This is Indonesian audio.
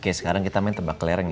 oke sekarang kita main tebak kelereng